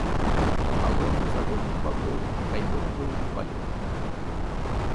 Калоны з абодвух бакоў акаймоўваюць валюты.